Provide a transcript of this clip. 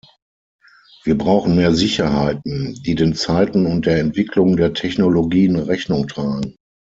Wir brauchen mehr Sicherheiten, die den Zeiten und der Entwicklung der Technologien Rechnung tragen.